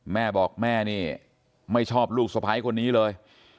แม่บอกแม่นี่ไม่ชอบลูกสะพ้ายคนนี้เลย